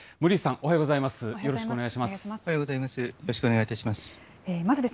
おはようございます。